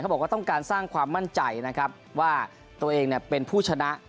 บอกว่าต้องการสร้างความมั่นใจนะครับว่าตัวเองเป็นผู้ชนะ